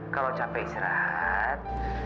kalau capek istirahat